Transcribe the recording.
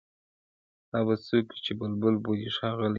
دا به څوک وي چي بلبل بولي ښاغلی-